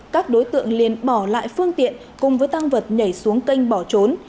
các đối tượng liền bỏ lại phương tiện cùng với tăng vật nhảy xuống kênh bỏ trốn